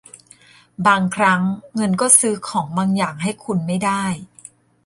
บางครั้งเงินก็ซื้อของบางอย่างให้คุณไม่ได้